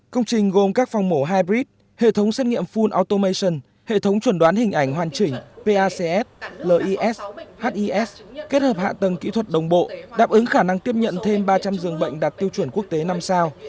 công trình gồm các phòng mổ hybrid hệ thống xét nghiệm full automation hệ thống chuẩn đoán hình ảnh hoàn chỉnh pacs lis his kết hợp hạ tầng kỹ thuật đồng bộ đáp ứng khả năng tiếp nhận thêm ba trăm linh dường bệnh đạt tiêu chuẩn quốc tế năm sao